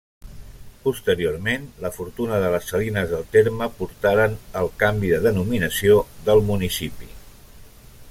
Posteriorment, la fortuna de les salines del terme portaren el canvi de denominació del municipi.